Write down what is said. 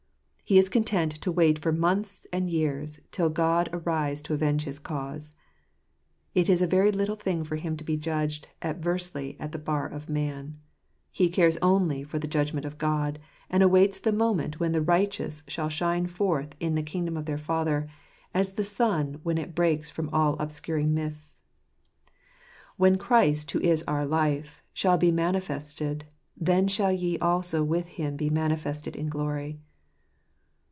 He is content to wait for months and years, till God arise to avenge his cause. It is a very little thing for him to be judged adversely at the bar of man : he cares only for the judgment of God, and awaits the moment when the righteous shall shine forth in the kingdom of their Father, as the sun when it breaks from all obscuring mists. " When Christ, who is our life, shall be manifested, then shall ye also with Him be manifested in glory."